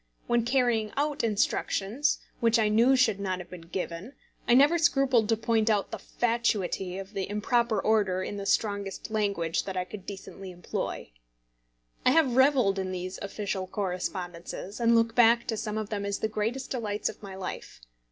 When carrying out instructions which I knew should not have been given, I never scrupled to point out the fatuity of the improper order in the strongest language that I could decently employ. I have revelled in these official correspondences, and look back to some of them as the greatest delights of my life.